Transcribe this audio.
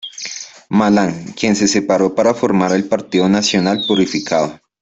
Malan, quien se separó para formar el Partido Nacional Purificado.